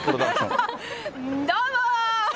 どうもー！